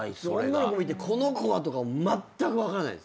女の子見て「この子は！」とかまったく分からないです。